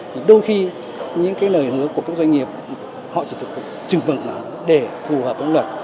thì đôi khi những cái lời hứa của các doanh nghiệp họ chỉ thực sự trừng vận nó để phù hợp với luật